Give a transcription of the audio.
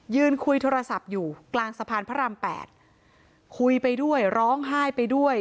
ยืนคุยโทรศัพท์อยู่กลางสะพานพระราม๘คุยไปด้วยร้องไห้ไปด้วย